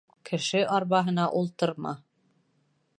Кеше арбаһына ултырма